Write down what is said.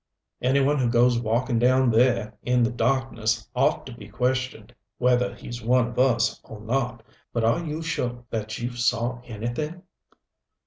Any one who goes walking down there in the darkness ought to be questioned whether he's one of us or not. But are you sure you saw anything?"